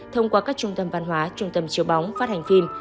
thông qua các trung tâm văn hóa trung tâm chiếu bóng phát hành phim